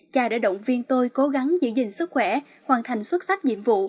cha đã động viên tôi cố gắng giữ gìn sức khỏe hoàn thành xuất sắc nhiệm vụ